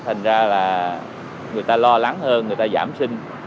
thành ra là người ta lo lắng hơn người ta giảm sinh